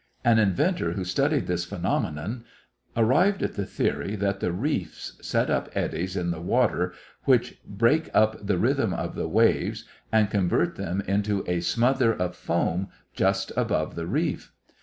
An inventor who studied this phenomenon arrived at the theory that the reefs set up eddies in the water which break up the rhythm of the waves and convert them into a smother of foam just above the reef.